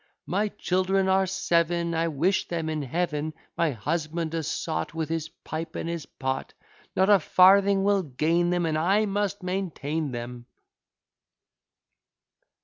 My children are seven, I wish them in Heaven; My husband a sot, With his pipe and his pot, Not a farthing will gain them, And I must maintain them.